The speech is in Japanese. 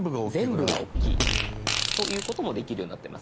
全部がおっきい。ということもできるようになってます。